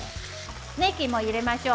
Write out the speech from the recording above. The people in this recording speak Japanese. ねぎを入れましょう。